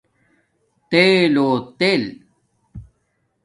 تیل لو تیل